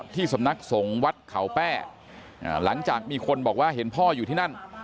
ที่สำนักสงฆ์วัดเขาแป้หลังจากมีคนบอกว่าเห็นพ่ออยู่ที่นั่น